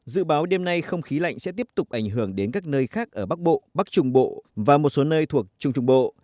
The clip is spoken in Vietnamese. dự báo đêm nay không khí lạnh sẽ tiếp tục ảnh hưởng đến các nơi khác ở bắc bộ bắc trung bộ và một số nơi thuộc trung trung bộ